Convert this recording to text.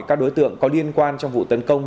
các đối tượng có liên quan trong vụ tấn công